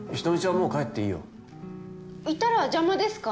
もう帰っていいよいたら邪魔ですか？